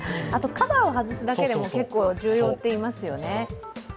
カバーを外すだけでも結構重要って言いますね。